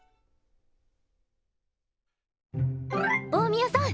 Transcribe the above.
大宮さん